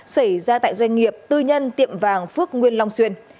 xảy ra tại doanh nghiệp tư nhân tiệm vàng phước nguyên long xuyên